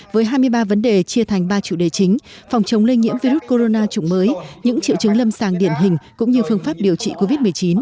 với hai mươi ba vấn đề chia thành ba chủ đề chính phòng chống lây nhiễm virus corona chủng mới những triệu chứng lâm sàng điển hình cũng như phương pháp điều trị covid một mươi chín